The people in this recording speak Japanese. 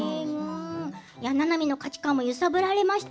ななみの価値観も揺さぶられました